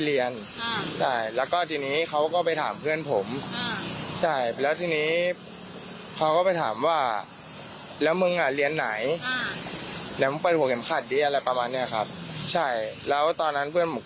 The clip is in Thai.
แล้วมึงเรียนไหน